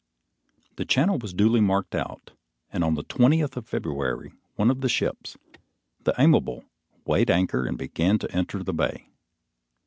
The channel was duly marked out, and on the twentieth of February, one of the ships, the Aimable, weighed anchor and began to enter the bay.